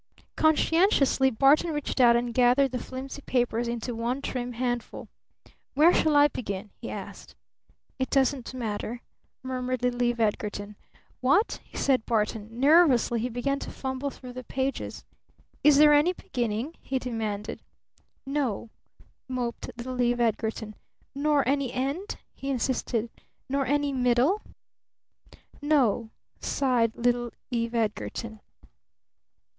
Conscientiously Barton reached out and gathered the flimsy papers into one trim handful. "Where shall I begin?" he asked. "It doesn't matter," murmured little Eve Edgarton. "What?" said Barton. Nervously he began to fumble through the pages. "Isn't there any beginning?" he demanded. "No," moped little Eve Edgarton. "Nor any end?" he insisted. "Nor any middle?" "N o," sighed little Eve Edgarton.